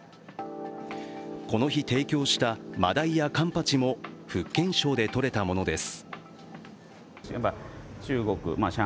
この日、提供した真だいや、かんぱちも福建省でとれたものです。